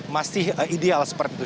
masih ideal seperti itu